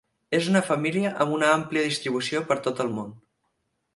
És una família amb una àmplia distribució per tot el món.